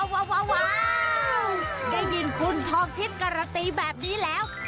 ว้าวได้ยินคุณทองทิศการันตีแบบนี้แล้ว